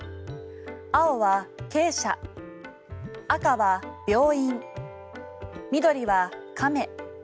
青は、鶏舎赤は、病院緑は、亀。